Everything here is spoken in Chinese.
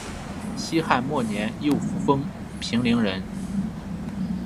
西汉末年右扶风平陵人。